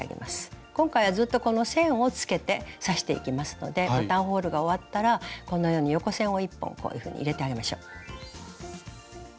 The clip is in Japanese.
今回はずっとこの線をつけて刺していきますのでボタンホールが終わったらこのように横線を１本こういうふうに入れてあげましょう。